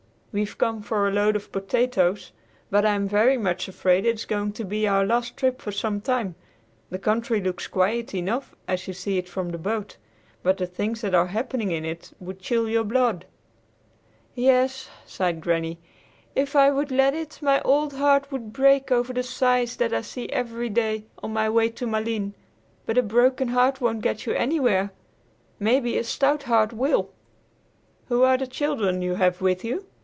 We've come for a load of potatoes, but I am very much afraid it is going to be our last trip for some time. The country looks quiet enough as you see it from the boat, but the things that are happening in it would chill your blood." "Yes," sighed Granny; "if I would let it, my old heart would break over the sights that I see every day on my way to Malines. But a broken heart won't get you anywhere. Maybe a stout heart will." "Who are the children you have with you?"